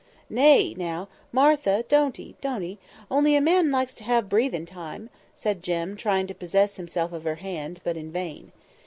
"Nay, now! Martha don't ee! don't ee! only a man likes to have breathing time," said Jem, trying to possess himself of her hand, but in vain.